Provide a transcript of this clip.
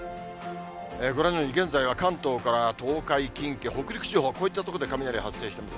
ご覧のように現在は関東から東海、近畿、北陸地方、こういった所で雷発生してます。